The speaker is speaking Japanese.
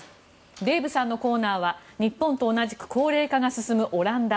デーブさんのコーナーは日本と同じく高齢化が進むオランダ。